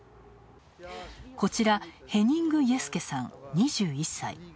こちら、ヘニング・イェスケさん、２１歳。